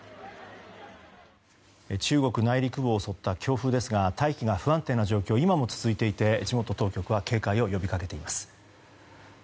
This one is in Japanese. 中国内陸部を襲った強風ですが、大気が不安定な状況が今も続いて地元当局は警戒を呼びかけています。